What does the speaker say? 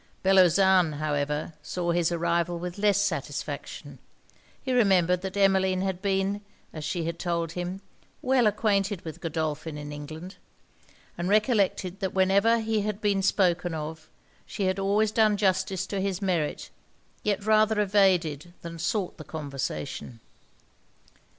Bellozane, however, saw his arrival with less satisfaction. He remembered that Emmeline had been, as she had told him, well acquainted with Godolphin in England; and recollected that whenever he had been spoken of, she had always done justice to his merit, yet rather evaded than sought the conversation.